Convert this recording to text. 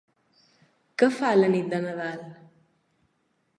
Què fa la nit de Nadal?